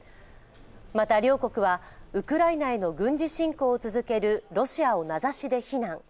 また両国は、ウクライナへの軍事侵攻を続けるロシアを名指しで非難。